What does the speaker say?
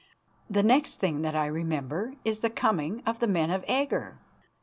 The next thing that I remember is the coming of the men of Agger.